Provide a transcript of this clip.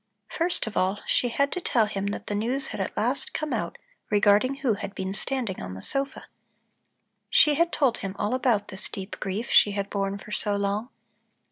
First of all, she had to tell him that the news had at last come out regarding who had been standing on the sofa. She had told him all about this deep grief she had borne for so long.